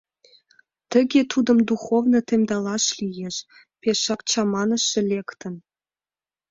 Тыге тудым духовно темдалаш лиеш, — пешак чаманыше лектын.